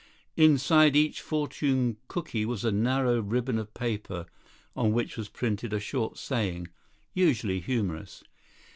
Inside each fortune cooky was a narrow ribbon of paper on which was printed a short saying—usually humorous.